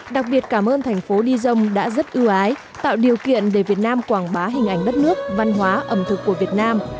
đặc biệt cảm ơn thành phố di dông đã rất ưu ái tạo điều kiện để việt nam quảng bá hình ảnh đất nước văn hóa ẩm thực của việt nam